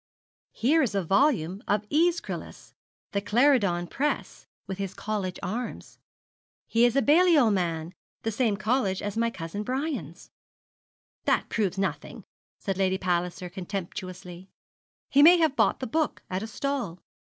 'Here is a volume of Æschylus the Clarendon Press with his college arms. He is a Balliol man, the same college as my cousin Brian's.' 'That proves nothing,' said Lady Palliser, contemptuously. 'He may have bought the book at a stall.